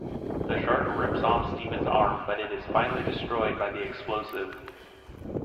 The shark rips off Steven's arm but it is finally destroyed by the explosive.